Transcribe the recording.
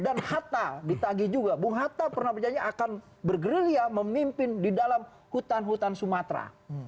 dan hatta ditagi juga bung hatta pernah berjanji akan bergerilya memimpin di dalam hutan hutan sumatera